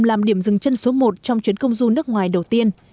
làm điểm dừng chân số một trong chuyến công du nước ngoài đầu tiên